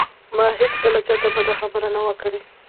ما هېڅکله چاته بده خبره نه وه کړې